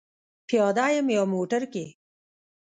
پیاده یم یا موټر کې؟